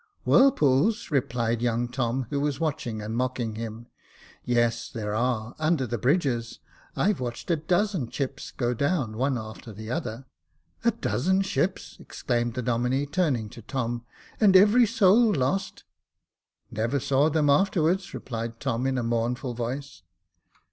Whirlpools !" replied young Tom, who was watching and mocking him; "yes, that there are, under the bridges. I've watched a dozen chips go down one after the other." " A dozen sJiips !" exclaimed the Domine, turning to Tom ;" and every soul lost ?"Never saw them afterwards," replied Tom, in a mournful voice.